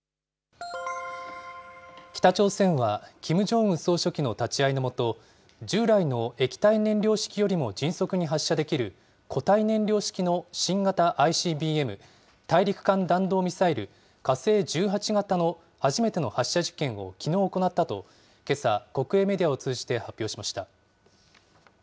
北朝鮮はキム・ジョンウン総書記の立ち会いの下、従来の液体燃料式よりも迅速に発射できる固体燃料式の新型ＩＣＢＭ・大陸間弾道ミサイル、火星１８型の初めての発射実験をきのう行ったと、けさ、国営メディアを通じて発表しました。